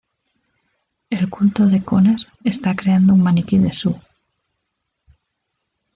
El Culto de Conner está creando un maniquí de Sue.